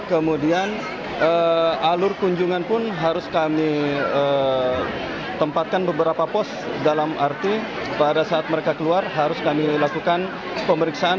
kemudian alur kunjungan pun harus kami tempatkan beberapa pos dalam arti pada saat mereka keluar harus kami lakukan pemeriksaan